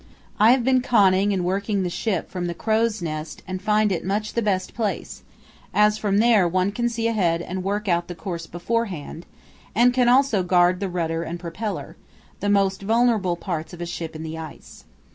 I have been conning and working the ship from the crow's nest and find it much the best place, as from there one can see ahead and work out the course beforehand, and can also guard the rudder and propeller, the most vulnerable parts of a ship in the ice.